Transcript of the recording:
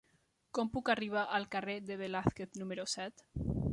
Com puc arribar al carrer de Velázquez número set?